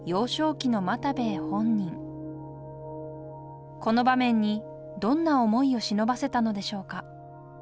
この場面にどんな想いをしのばせたのでしょうか